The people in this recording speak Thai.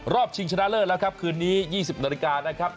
ชิงชนะเลิศแล้วครับคืนนี้๒๐นาฬิกานะครับ